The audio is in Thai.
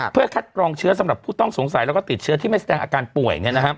เพื่อคัดกรองเชื้อสำหรับผู้ต้องสงสัยแล้วก็ติดเชื้อที่ไม่แสดงอาการป่วย